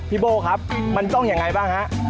พี่โบ๊ค์ครับมันต้องอย่างไรบ้างครับ